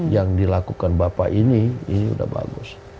yang dilakukan bapak ini ini sudah bagus